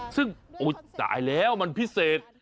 ซึ่งจ่ายแล้วมันพิเศษ